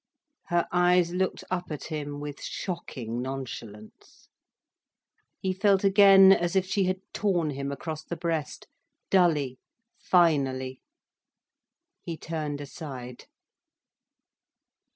Her eyes looked up at him with shocking nonchalance. He felt again as if she had torn him across the breast, dully, finally. He turned aside.